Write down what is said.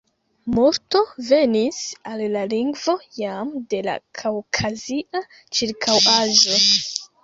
Multo venis al la lingvo jam de la kaŭkazia ĉirkaŭaĵo.